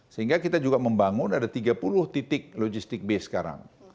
sehingga kita juga membangun ada tiga puluh titik logistik base sekarang